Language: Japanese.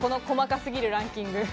細かすぎるランキング。